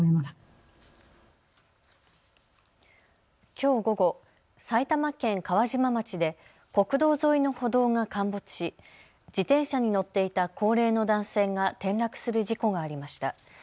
きょう午後、埼玉県川島町で国道沿いの歩道が陥没し自転車に乗っていた高齢の男性が転落する事故がありました。